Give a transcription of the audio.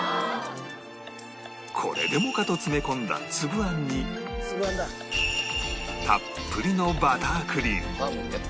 これでもかと詰め込んだつぶあんにたっぷりのバタークリーム